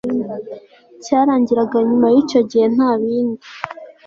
cyarangiraga nyuma y icyo gihe nta bindi